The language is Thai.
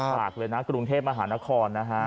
ฝากเลยนะกรุงเทพฯมหาธนคร